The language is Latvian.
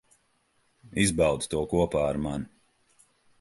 Izbaudi to kopā ar mani.